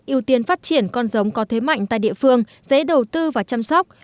ưu tiên phát triển con giống có thế mạnh tại địa phương dễ đầu tư và chăm sóc